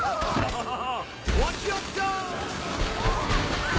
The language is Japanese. ハハハ！